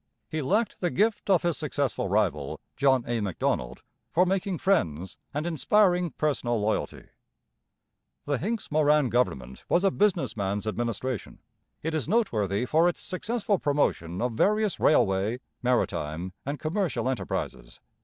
He lacked the gift of his successful rival, John A. Macdonald, for making friends and inspiring personal loyalty. The Hincks Morin government was a business man's administration. It is noteworthy for its successful promotion of various railway, maritime, and commercial enterprises.